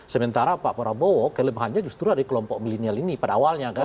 sementara pak prabowo kelemahannya justru ada di kelompok milenial ini pada awalnya kan